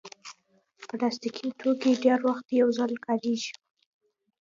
پلاستيکي توکي ډېری وخت یو ځل کارېږي.